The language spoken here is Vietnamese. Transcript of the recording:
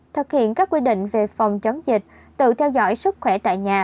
thực hiện các quy định về phòng chống dịch tự theo dõi sức khỏe tại nhà